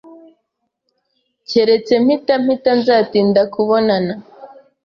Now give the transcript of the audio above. Keretse mpita mpita, nzatinda kubonana.